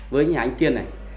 với nhà anh kiên này